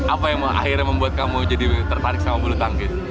apa yang akhirnya membuat kamu jadi tertarik sama bulu tangkis